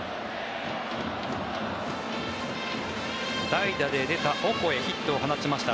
代打で出たオコエヒットを放ちました。